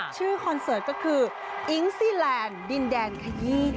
ชื่อคอนเสิร์ตก็คืออิงค์ซีแลนด์ดินแดนขยีจ้า